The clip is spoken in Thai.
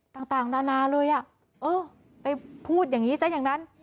ต่างนานาเลยอ่ะเออไปพูดอย่างนี้ซะอย่างนั้น